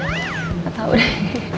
nggak tahu deh